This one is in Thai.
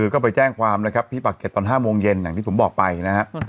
ก็ไปแจ้งความนะครับที่ปากเก็ตตอน๕โมงเย็นอย่างที่ผมบอกไปนะฮะ